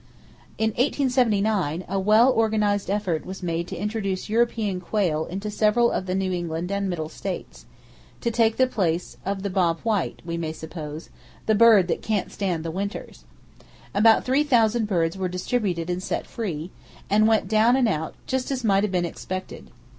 In 1879 a well organized effort was made to introduce European quail into several of the New England and Middle States,—to take the place of the bob white, we may suppose,—the bird that "can't stand the winters!" About three thousand birds were distributed and set free,—and went down and out, just as might have been expected.